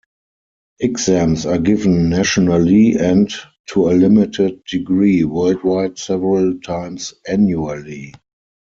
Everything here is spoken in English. Exams are given nationally and, to a limited degree, worldwide several times annually.